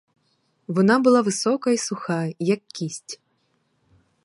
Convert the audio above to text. Вона була висока й суха, як кість!